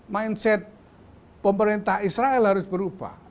mindset pemerintah israel harus berubah